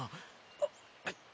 あっ。